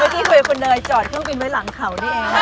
ที่เคยคุณเนยจอดเครื่องบินไว้หลังเขานี่เอง